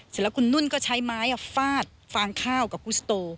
เสร็จแล้วคุณนุ่นก็ใช้ไม้ฟาดฟางข้าวกับกุศโต